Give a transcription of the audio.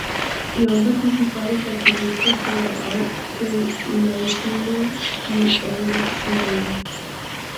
Hi van participar els activistes per la pau Ken Nightingale i Eldred Schneider.